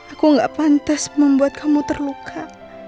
aku gak pantas membuat kamu terluka